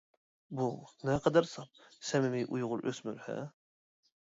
بۇ نەقەدەر ساپ، سەمىمىي ئۇيغۇر ئۆسمۈر ھە!